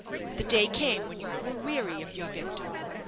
The day came when you grew weary of your victim.